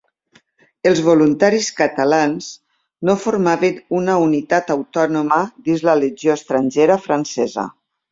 Els voluntaris catalans no formaven una unitat autònoma dins la Legió Estrangera Francesa.